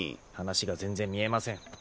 話が全然見えません。